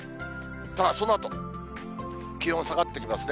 ただそのあと、気温下がってきますね。